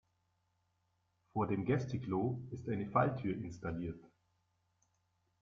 Vor dem Gäste-Klo ist eine Falltür installiert.